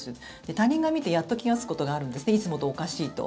他人が見てやっと気がつくことがあるんですいつもとおかしいと。